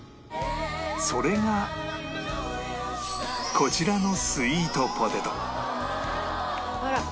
それがこちらのスイートポテトあら。